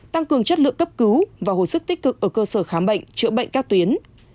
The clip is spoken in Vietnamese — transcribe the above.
tăng cường chất lượng cấp cứu và hồi sức tích cực ở cơ sở khám bệnh chữa bệnh các tuyến